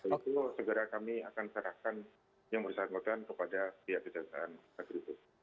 jadi itu segera kami akan serahkan yang bersangkutan kepada pihak kecantikan negeri kursus